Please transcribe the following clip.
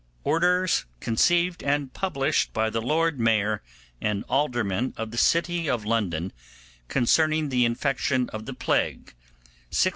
— ORDERS CONCEIVED AND PUBLISHED BY THE LORD MAYOR AND ALDERMEN OF THE CITY OF LONDON CONCERNING THE INFECTION OF THE PLAGUE, 1665.